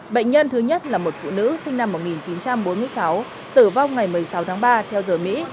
bệnh nhân thứ nhất là một phụ nữ sinh năm một nghìn chín trăm bốn mươi sáu tử vong ngày một mươi sáu tháng ba theo giờ mỹ